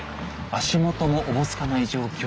足元もおぼつかない状況。